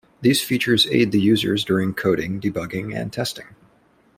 These features aid the users during coding, debugging and testing.